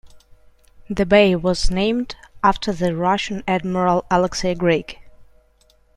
The bay was named after the Russian admiral Alexey Greig.